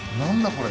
これ。